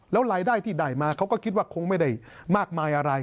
แล้วรายได้ที่ได้มาเขาก็คิดว่าคงไม่ได้มากมายอะไร